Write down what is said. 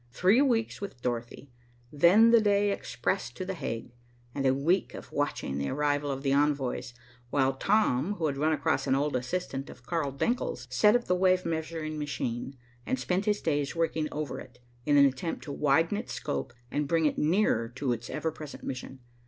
Three weeks with Dorothy, then the day express to The Hague, and a week of watching the arrival of the envoys, while Tom, who had run across an old assistant of Carl Denckel's, set up the wave measuring machine, and spent his days working over it, in an attempt to widen its scope and bring it nearer to its ever present mission.